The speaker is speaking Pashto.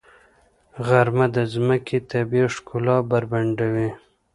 غرمه د ځمکې طبیعي ښکلا بربنډوي.